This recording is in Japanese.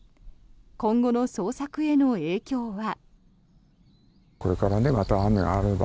今後の捜索への影響は。